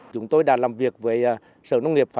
chúng tôi đã làm việc với sở nông nghiệp